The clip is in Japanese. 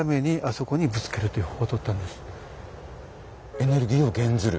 エネルギーを減ずる。